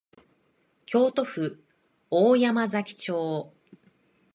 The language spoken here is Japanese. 京都府大山崎町